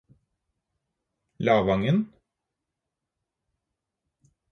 Lavangen